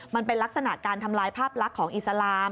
มันเป็นลักษณะการทำลายภาพลักษณ์ของอิสลาม